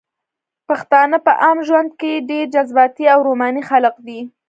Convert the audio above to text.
پښتانه په عام ژوند کښې ډېر جذباتي او روماني خلق دي